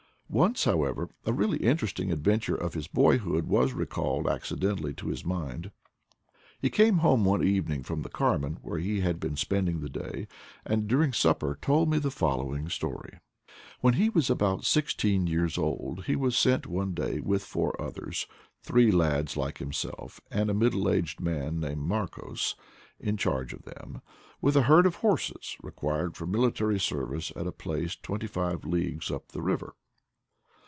Once, however, a really interesting adventure of his boyhood was recalled accidentally to his mind. He came home one evening from the Carmen, where he had been spending the day, and during supper told me the following story. When he was about sixteen years old he was sent one day with four others — three lads like himself, and a middle aged man named Marcos in charge of them — with a herd of horses required LIFE IN PATAGONIA 99 for military service at a place twenty five leagues up the river.